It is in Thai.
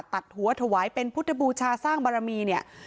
ตัดหัวถวายเป็นพุทธบูชาสร้างบารมีเนี่ย